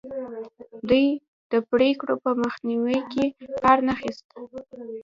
دوی د پرېکړو په مخنیوي کې کار نه اخیست.